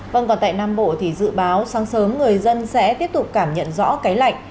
vâng còn tại nam bộ thì dự báo sáng sớm người dân sẽ tiếp tục cảm nhận rõ cái lạnh